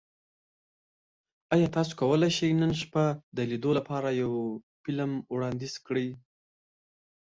ایا تاسو کولی شئ نن شپه د لیدو لپاره یو فلم وړاندیز کړئ؟